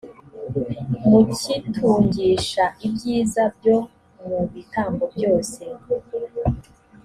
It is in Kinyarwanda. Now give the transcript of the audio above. mukitungisha ibyiza byo mu bitambo byose